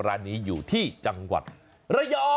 ร้านนี้อยู่ที่จังหวัดระยอง